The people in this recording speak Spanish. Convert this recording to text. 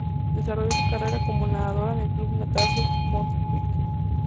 Desarrolló su carrera como nadadora en el Club Natació Montjuïc.